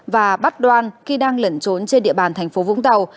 và bắt đoan khi đang lẩn trốn trên địa bàn thành phố vũng tàu